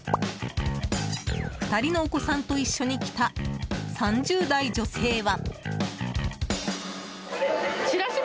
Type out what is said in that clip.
２人のお子さんと一緒に来た３０代女性は。